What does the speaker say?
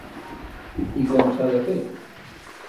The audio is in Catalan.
I com s’ha de fer?